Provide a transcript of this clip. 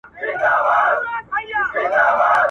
زما چي ژوند په یاد دی د شېبو غوندي تیریږي .